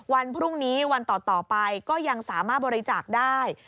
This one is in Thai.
วันพรุ่งนี้วันต่อไปก็ยังสามารถบริจาคได้